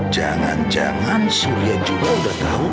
jangan jangan surya juga udah tahu